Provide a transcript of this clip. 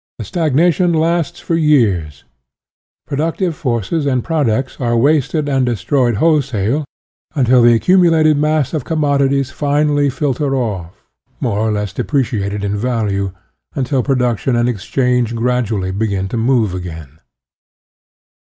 The stagnation lasts for years; productive forces and products are wasted and destroyed wholesale, until the accumulated mass of commodities finally filter off, more or less depreciated in value, until production and exchange gradually begin to move again.